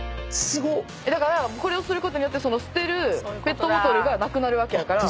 これをすることによって捨てるペットボトルがなくなるわけ。